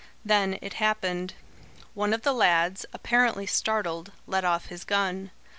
Then it happened. One of the lads, apparently startled, let off his gun.